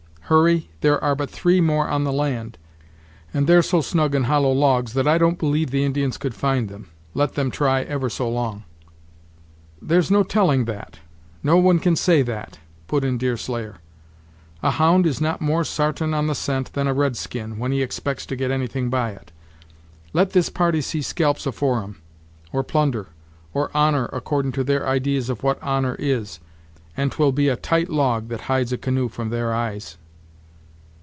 Hurry, there are but three more on the land, and they're so snug in hollow logs that I don't believe the Indians could find them, let them try ever so long." "There's no telling that no one can say that," put in Deerslayer; "a hound is not more sartain on the scent than a red skin, when he expects to get anything by it. Let this party see scalps afore 'em, or plunder, or honor accordin' to their idees of what honor is, and 't will be a tight log that hides a canoe from their eyes."